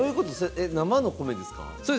生の米ですか？